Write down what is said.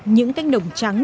những cánh đồng trắng